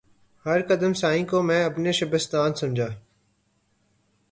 ہر قدم سائے کو میں اپنے شبستان سمجھا